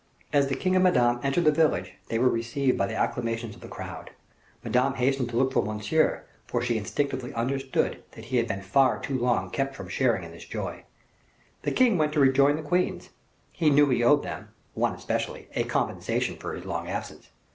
As the king and Madame entered the village, they were received by the acclamations of the crowd. Madame hastened to look for Monsieur, for she instinctively understood that he had been far too long kept from sharing in this joy. The king went to rejoin the queens; he knew he owed them one especially a compensation for his long absence.